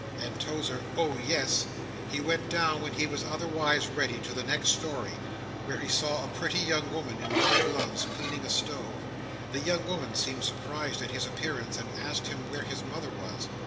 and Tozer, "Oh yes!" he went down when he was otherwise ready, to the next storey, where he saw a pretty young woman in leather gloves, cleaning a stove. The young woman seemed surprised at his appearance, and asked him where his mother was.